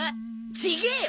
違えよ！